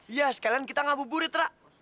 iya sekalian kita ngabur burit ra